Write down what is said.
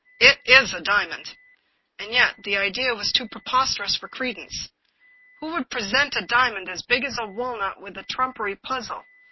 " It w a diamond !" And yet the idea was too preposterous for credence. Who would present a diamond as big as a walnut with a trumpery puzzle?